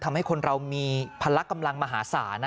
ทำให้คนเรามีพละกำลังมหาศาล